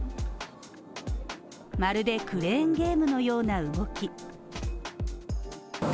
まるでクレーンゲームのような動き。